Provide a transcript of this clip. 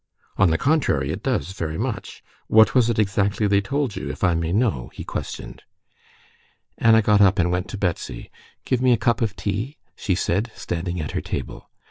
"On the contrary, it does, very much. What was it exactly they told you, if I may know?" he questioned. Anna got up and went to Betsy. "Give me a cup of tea," she said, standing at her table.